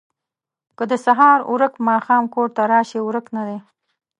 که د سهار ورک ماښام کور ته راشي، ورک نه دی.